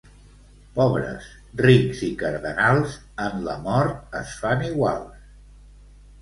Pobres, rics i cardenals, en la mort es fan iguals.